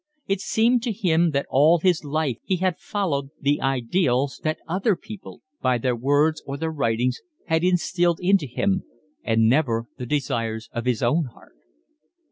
It seemed to him that all his life he had followed the ideals that other people, by their words or their writings, had instilled into him, and never the desires of his own heart.